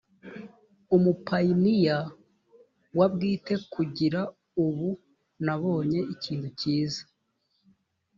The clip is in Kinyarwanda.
umupayiniya wa bwite kugira ubu nabonye ikintu cyiza